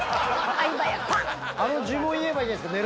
呪文言えばいいじゃないですか。